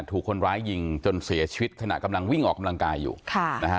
ถูกคนร้ายยิงจนเสียชีวิตขณะกำลังวิ่งออกกำลังกายอยู่ค่ะนะฮะ